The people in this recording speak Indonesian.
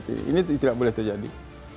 ini tidak boleh terjadi